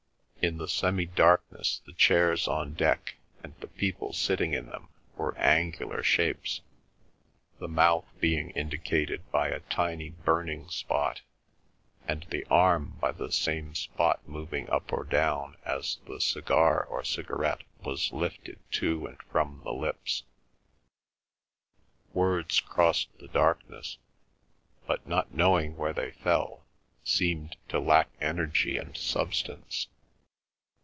In the semi darkness the chairs on deck and the people sitting in them were angular shapes, the mouth being indicated by a tiny burning spot, and the arm by the same spot moving up or down as the cigar or cigarette was lifted to and from the lips. Words crossed the darkness, but, not knowing where they fell, seemed to lack energy and substance.